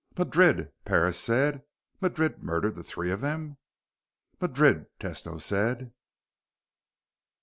"Madrid!" Parris said. "Madrid murdered the three of them!" "Madrid," Tesno said.